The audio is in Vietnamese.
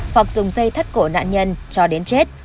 hoặc dùng dây thắt cổ nạn nhân cho đến chết